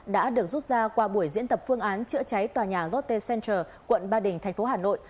đã được rút ra qua buổi diễn tập phương án chữa cháy tòa nhà lotte center quận ba đình tp hà nội